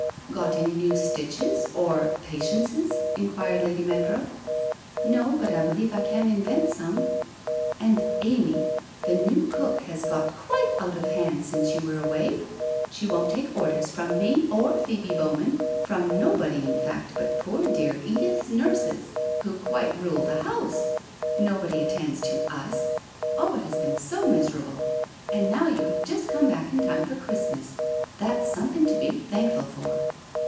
' Got any new stitches, or Patiences ?' enquired Lady Meadrow. * No, but I believe I can invent some.' ' And, Amy, the new cook has got quite out of hand since you were away. She won't take orders from me or Pha'be Bowman, from nobody in fact but poor dear Edith's nurses, who quite rule the house. Nobody attends to us. Oh, it has been so miserable ! And now you have just come back in time for Christmas. That's something to be thankful for.'